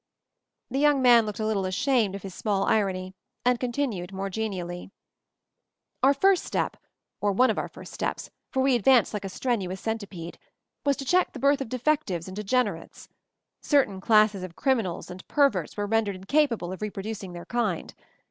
The young man looked a little ashamed of his small irony, and continued more genially : "Our first step — or one of our first steps, for we advanced like a strenuous centipede — was to check the birth of defectives and degenerates. Certain classes of criminals and perverts were rendered incapable of re producing their kind.